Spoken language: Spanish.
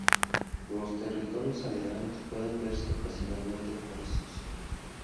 En los territorios aledaños pueden verse ocasionalmente corzos.